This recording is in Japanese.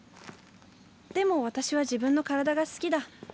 でも私は自分の体が好きだ。